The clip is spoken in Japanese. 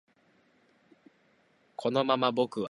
このまま僕は